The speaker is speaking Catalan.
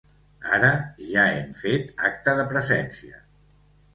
Ara ja hem fet acte de presència.